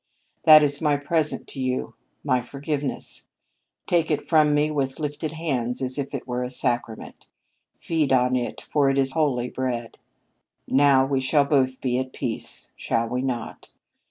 "That is my present to you my forgiveness. Take it from me with lifted hands as if it were a sacrament; feed on it, for it is holy bread. Now we shall both be at peace, shall we not?